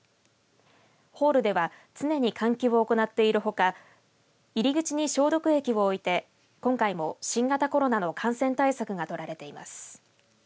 ホールでは常に換気を行っているほか入り口に消毒液を置いて今回も新型コロナの感染対策が取られています。